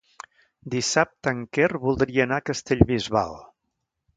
Dissabte en Quer voldria anar a Castellbisbal.